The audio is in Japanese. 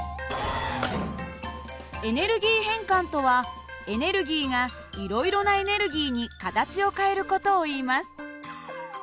エネルギー変換とはエネルギーがいろいろなエネルギーに形を変える事をいいます。